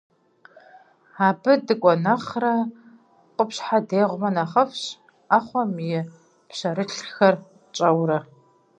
Абы дыкӀуэ нэхърэ, къупщхьэ дегъумэ нэхъыфӀщ, Ӏэхъуэм и пщэрылъхэр тщӀэурэ.